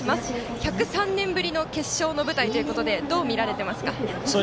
１０３年ぶりの決勝の舞台どう見られていますか？